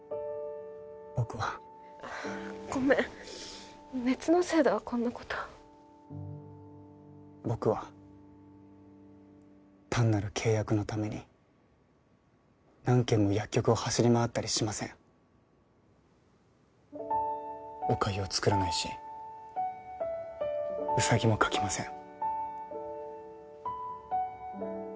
僕はごめん熱のせいだわこんなこと僕は単なる契約のために何軒も薬局を走り回ったりしませんおかゆを作らないしうさぎも描きません